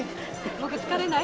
僕疲れない？